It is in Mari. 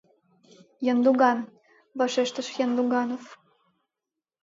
— Яндуган, — вашештыш Яндуганов.